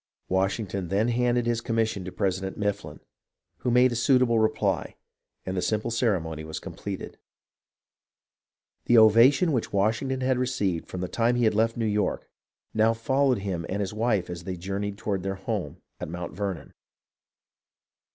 Washington then handed his commission to President Mifflin, who made a suitable reply, and the simple ceremony was completed. The ovation which Washington had received from the time when he left New York now followed him and his wife as they journeyed toward their home at Mount Vernon.